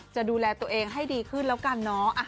จะดูแลตัวเองให้ดีขึ้นแล้วกันเนาะ